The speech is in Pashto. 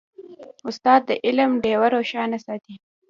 استاد د علم ډیوه روښانه ساتي.